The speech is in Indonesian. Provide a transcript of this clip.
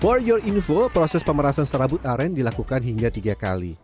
for your info proses pemerasan serabut aren dilakukan hingga tiga kali